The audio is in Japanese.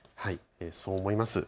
そう思います。